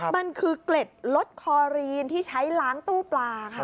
มันคือเกล็ดลสคอรีนที่ใช้ล้างตู้ปลาค่ะ